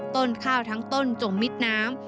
ต้นข้าวทั้งต้นจมมิดน้ำ